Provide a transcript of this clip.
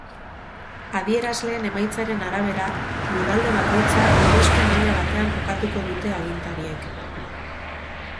Adierazleen emaitzaren arabera, lurralde bakoitza arrisku maila batean kokatuko dute agintariek.